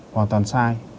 hoàn toàn sai